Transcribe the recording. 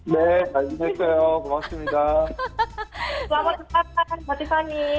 baik baik saja terima kasih